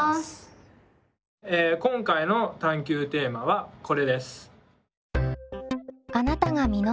今回の探究テーマはこれです。